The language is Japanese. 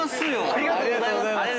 ありがとうございます。